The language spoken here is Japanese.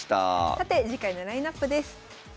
さて次回のラインナップです。